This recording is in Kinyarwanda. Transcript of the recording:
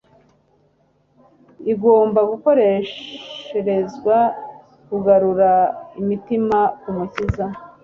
igomba gukoresherezwa kugarura imitima k’Umukiza.